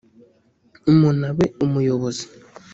umuntu abe umuyobozi